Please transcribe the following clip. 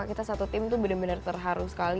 kita satu tim itu benar benar terharu sekali